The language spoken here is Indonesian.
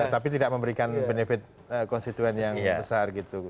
tapi tidak memberikan benefit konstituen yang besar gitu